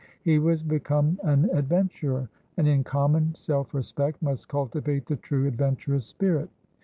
He was become an adventurer, and in common self respect must cultivate the true adventurous spirit.